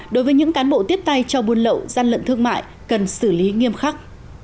đối với những cán bộ tiếp tay cho buôn lậu gian lận thương mại cần xử lý nghiêm khắc